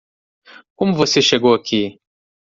Como você chegou aqui?